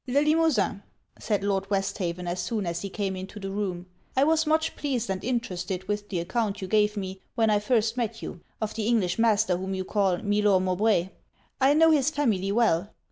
'Le Limosin,' said Lord Westhaven, as soon as he came into the room, 'I was much pleased and interested with the account you gave me when I first met you, of the English master whom you call Milor Mowbray. I know his family well.